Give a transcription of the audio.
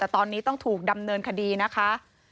แต่ตอนนี้ต้องถูกดำเนินคดีนะคะ